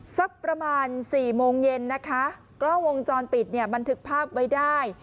สักประมาณสี่โมงเย็นนะคะกล้องวงจรปิดเนี่ยบันทึกภาพไว้ได้